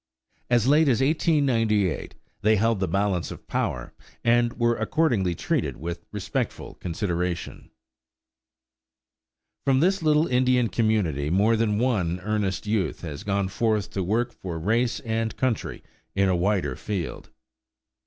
As late as 1898 they held the balance of power, and were accordingly treated with respectful consideration. From this little Indian community more than one earnest youth has gone forth to work for race and country in a wider field.